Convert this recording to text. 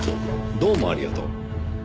どうもありがとう。